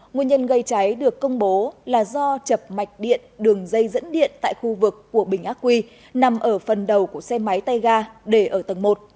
nguyên nhân gây cháy được công bố là do chập mạch điện đường dây dẫn điện tại khu vực của bình ác quy nằm ở phần đầu của xe máy tay ga để ở tầng một